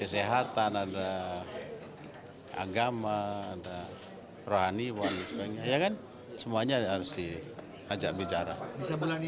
pertengahan ini kata pak